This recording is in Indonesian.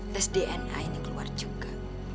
tes dna ini keluar juga